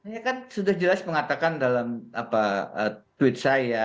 saya kan sudah jelas mengatakan dalam tweet saya